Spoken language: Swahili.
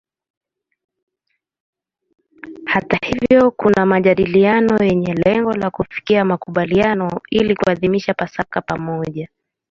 Hata hivyo kuna majadiliano yenye lengo la kufikia makubaliano ili kuadhimisha Pasaka pamoja.